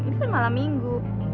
ini kan malam minggu